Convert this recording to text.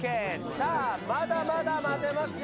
さあまだまだまぜますよ。